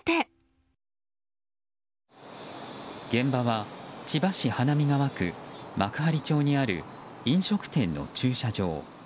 現場は千葉市花見川区幕張町にある飲食店の駐車場。